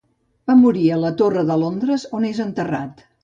Va morir a la Torre de Londres, on és enterrat.